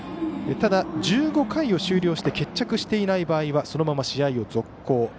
ただ１５回を終了して決着していない場合そのまま試合を続行。